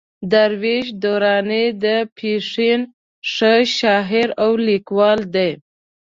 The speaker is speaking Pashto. درویش درانی د پښين ښه شاعر او ليکوال دئ.